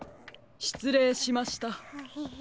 しつれいしました。